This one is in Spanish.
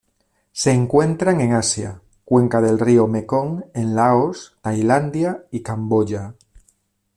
Se encuentran en Asia: cuenca del río Mekong en Laos, Tailandia y Camboya.